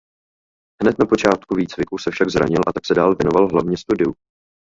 Hned na počátku výcviku se však zranil a tak se dál věnoval hlavně studiu.